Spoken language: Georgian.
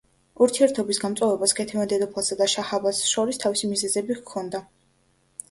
ურთიერთობის გამწვავებას ქეთევან დედოფალსა და შაჰ-აბასს შორის თავისი მიზეზები ჰქონდა.